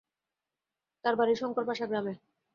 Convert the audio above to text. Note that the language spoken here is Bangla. তাঁর বাড়ি শংকর পাশা গ্রামে।